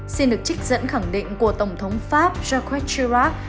xin được trích dẫn khẳng định của tổng thống pháp jacques chirac